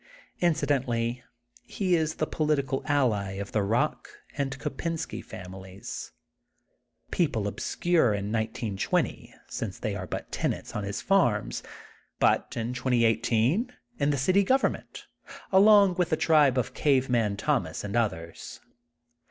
In cidentally he is the political ally of the Bock and Kopensky families, people obscure in 1920, since they are but tenants on his farms, but in 2018 in the city government, along with the tribe of Cave Man Thomas and others.